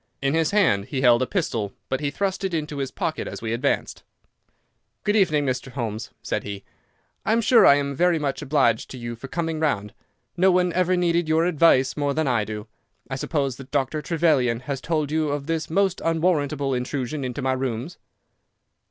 In his hand he held a pistol, but he thrust it into his pocket as we advanced. "Good evening, Mr. Holmes," said he. "I am sure I am very much obliged to you for coming round. No one ever needed your advice more than I do. I suppose that Dr. Trevelyan has told you of this most unwarrantable intrusion into my rooms."